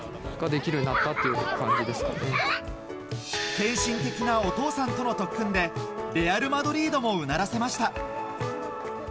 献身的なお父さんとの特訓でレアル・マドリードもうならせました。